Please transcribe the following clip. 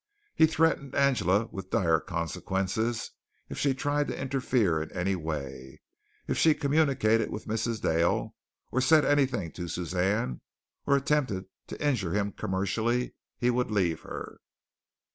He threatened Angela with dire consequences if she tried to interfere in any way. If she communicated with Mrs. Dale, or said anything to Suzanne, or attempted to injure him commercially, he would leave her.